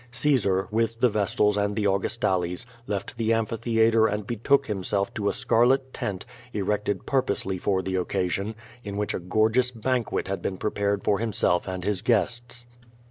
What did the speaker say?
Caesar, with the vestals and the Augustales, left the amphitheatre and betook himself to a scarlet tent, erected purposely for the occasion, in which a gorgeous banquet had been prepared for himself and his guests.